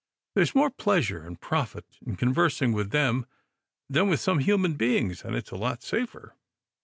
" There's more pleasure and profit in conversing with them than with some human beings, and it's lots safer.